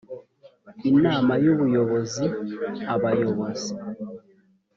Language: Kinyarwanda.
inama y ubuyobozi abayobozi